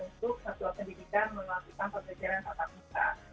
untuk satuan pendidikan melakukan pembelajaran dasar periksa